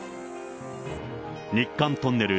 日韓トンネル